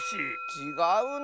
ちがうの？